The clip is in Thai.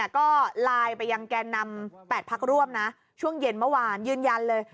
ก็ไลน์ไปยังแก่นำ๘พักร่วมนะช่วงเย็นเมื่อวานยืนยันเลย